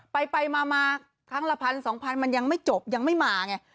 ไปมามาทั้งละพัน๒๐๐๐มันยังไม่จบยังไม่มาไง